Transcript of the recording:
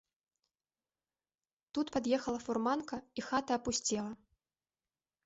Тут пад'ехала фурманка, і хата апусцела.